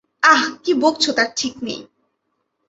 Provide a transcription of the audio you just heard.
আঃ– কী বকছ তার ঠিক নেই!